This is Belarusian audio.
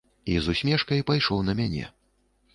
І з усмешкай пайшоў на мяне.